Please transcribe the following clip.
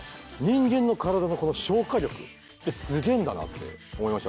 人間の体の消化力ってすげえんだなって思いましたね。